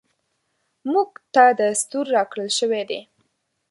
موږ ته دستور راکړل شوی دی .